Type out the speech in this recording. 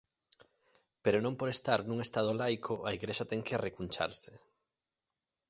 Pero non por estar nun Estado laico a Igrexa ten que arrecuncharse.